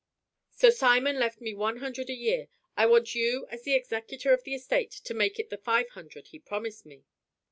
Sir Simon left me one hundred a year. I want you as the executor of the estate to make it the five hundred he promised me."